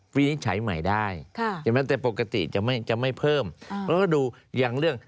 ฟินิตใช้ใหม่ได้ค่ะแต่ปกติจะไม่เพิ่มแล้วก็ดูอย่างเรื่อง